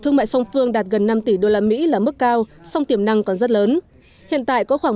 thương mại song phương đạt gần năm tỷ usd là mức cao song tiềm năng còn rất lớn hiện tại có khoảng một trăm linh